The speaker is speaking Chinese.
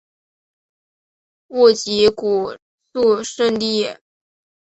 勿吉古肃慎地也。